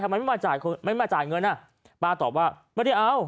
ทำไมไม่มาจ่ายคนไม่มาจ่ายเงินอ่ะป้าตอบว่าไม่ได้เอา